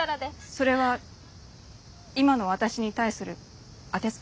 それは今の私に対する当てつけ？